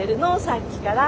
さっきから。